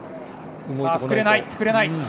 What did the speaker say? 膨れない。